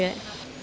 ya senang ambilnya